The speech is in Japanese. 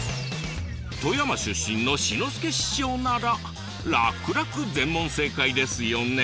富山出身の志の輔師匠なら楽々全問正解ですよね？